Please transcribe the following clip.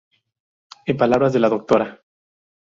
En palabras de la Dra.